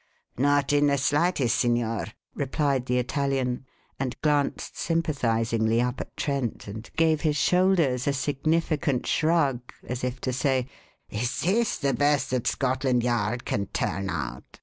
"Not in the slightest, signor," replied the Italian, and glanced sympathizingly up at Trent and gave his shoulders a significant shrug, as if to say: "Is this the best that Scotland Yard can turn out?"